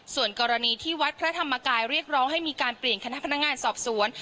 ส่วนกรณีที่วัดพระธรรมกายเรียกร้องให้มีการเปลี่ยนคณะพนักงานสอบสวน